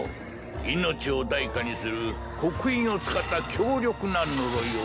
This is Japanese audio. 命を代価にする刻印を使った強力な呪いをね。